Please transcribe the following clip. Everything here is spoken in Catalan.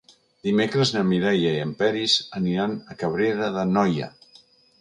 Dimecres na Mireia i en Peris aniran a Cabrera d'Anoia.